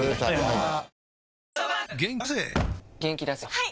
はい。